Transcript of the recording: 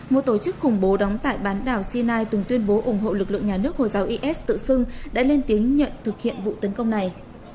một tổ chức khủng bố đóng tại bán đảo sinai từng tuyên bố ủng hộ lực lượng nhà nước hồi giáo is tự xưng đã lên tiếng nhận thực hiện vụ tấn công này